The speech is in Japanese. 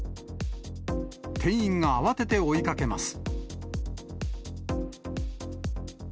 店員が慌てて追いかけます。